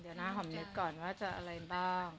เดี๋ยวนะหอมนึกก่อนว่าจะอะไรบ้าง